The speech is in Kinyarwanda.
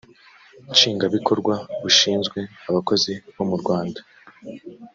nshingwabikorwa bushinzwe abakozi bo mu rwanda